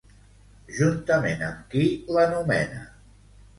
Juntament amb qui l'anomena?